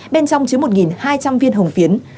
bên trong chứa một hai trăm linh viên hồng phiến